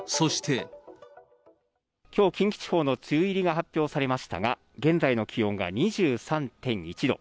きょう、近畿地方の梅雨入りが発表されましたが、現在の気温が２３．１度。